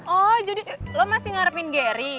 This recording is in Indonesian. oh jadi lo masih ngarepin gary